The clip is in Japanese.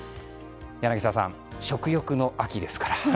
柳澤さん、食欲の秋ですから。